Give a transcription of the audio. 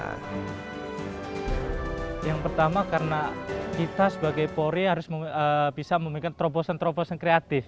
yang pertama karena kita sebagai polri harus bisa memberikan terobosan terobosan kreatif